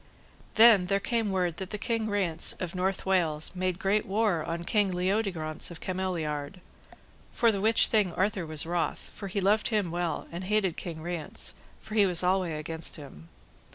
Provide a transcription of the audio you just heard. Then there came word that the King Rience of North Wales made great war on King Leodegrance of Cameliard, for the which thing Arthur was wroth, for he loved him well, and hated King Rience, for he was alway against him.